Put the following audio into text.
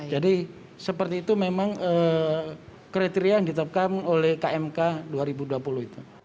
jadi seperti itu memang kriteria yang ditetapkan oleh kmk dua ribu dua puluh itu